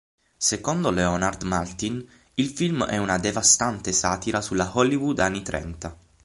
Secondo Leonard Maltin il film è una "devastante satira sulla Hollywood anni trenta".